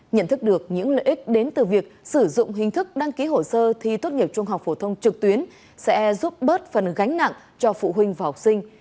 nhận thức được những lợi ích đến từ việc sử dụng hình thức đăng ký hồ sơ thi tốt nghiệp trung học phổ thông trực tuyến sẽ giúp bớt phần gánh nặng cho phụ huynh và học sinh